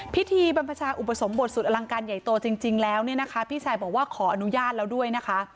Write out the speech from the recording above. พิธีบรรพชาอุปสมบทสุดอลังการใหญ่โตจริงแล้วเนี่ยนะคะพี่ชายบอกว่าขออนุญาตแล้วด้วยนะคะ